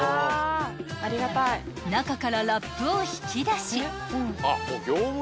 ［中からラップを引き出し］